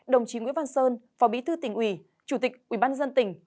đồng chí nguyễn văn sơn phó bí thư tỉnh ủy chủ tịch ủy ban nhân dân tỉnh